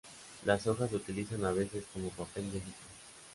Las hojas se utilizan a veces como papel de lija.